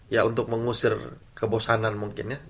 ya untuk mengusir kebosanan mungkin ya